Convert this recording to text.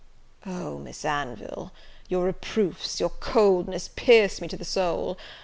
"Oh, Miss Anville, your reproofs, your coldness, pierce me to the soul!